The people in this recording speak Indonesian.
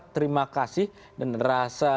terima kasih dan rasa